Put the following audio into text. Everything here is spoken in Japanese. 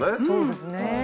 そうですね。